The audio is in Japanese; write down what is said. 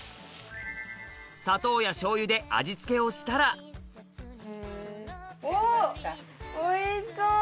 砂糖やしょうゆで味付けをしたらおおいしそう。